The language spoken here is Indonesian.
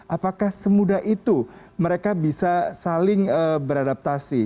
apakah semudah itu mereka bisa saling beradaptasi